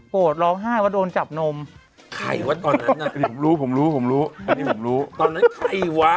ไฟมันต้องส่องทั้งคู่ไฟ